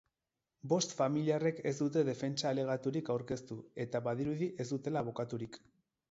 Bost familiarrek ez dute defentsa alegaturik aurkeztu eta badirudi ez dutela abokaturik.